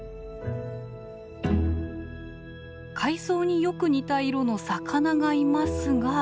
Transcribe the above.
海藻によく似た色の魚がいますが。